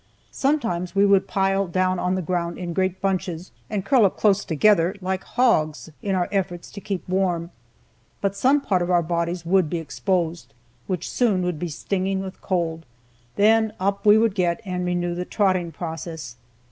Sometimes we would pile down on the ground in great bunches, and curl up close together like hogs, in our efforts to keep warm. But some part of our bodies would be exposed, which soon would be stinging with cold, then up we would get and renew the trotting process.